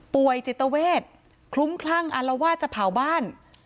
ป่วยจิตเวทคลุ้มคลั่งอารวาสจะเผาบ้าน